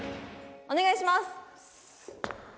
お願いします！